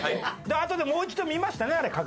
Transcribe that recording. あとでもう一度見ましたねあれ確認。